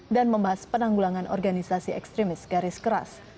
dan membahas penanggulangan organisasi ekstremis garis keras